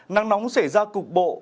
nắng nóng sẽ ra cục bộ